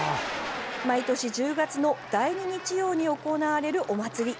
毎年１０月の第２日曜に行われるお祭り。